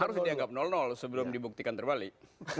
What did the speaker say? harus dianggap sebelum dibuktikan terbalik